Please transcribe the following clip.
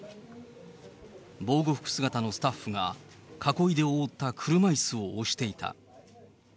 防護服姿のスタッフが、囲いで覆った車いすを押していた。